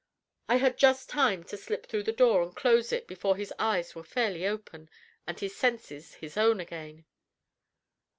I had just time to slip through the door and close it before his eyes were fairly open, and his senses his own again.